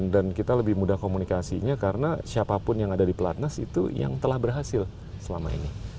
dan kita lebih mudah komunikasinya karena siapapun yang ada di platnas itu yang telah berhasil selama ini